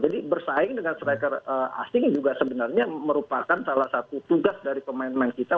jadi bersaing dengan striker asing juga sebenarnya merupakan salah satu tugas dari pemain pemain kita